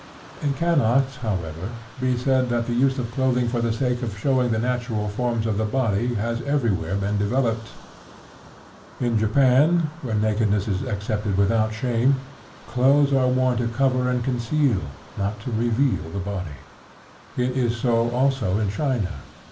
It cannot, however, be said that the use of clothing for the sake of showing the natural forms of the body has everywhere been developed. In Japan, where nakedness is accepted without shame, clothes are worn to cover and conceal, and not to reveal, the body. It is so, also, in China.